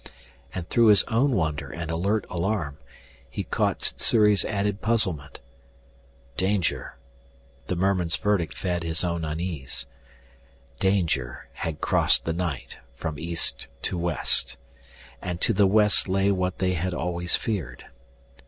And through his own wonder and alert alarm, he caught Sssuri's added puzzlement. "Danger " The merman's verdict fed his own unease. Danger had crossed the night, from east to west. And to the west lay what they had always feared.